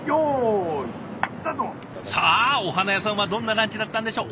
さあお花屋さんはどんなランチだったんでしょう？